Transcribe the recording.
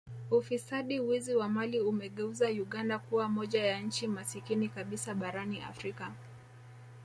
Ufisadi wizi wa mali umegeuza Uganda kuwa moja ya nchi masikini kabisa barani Afrika